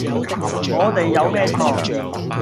我哋有咩錯